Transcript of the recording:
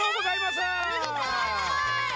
すごい！